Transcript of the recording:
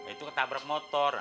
itu ketabrak motor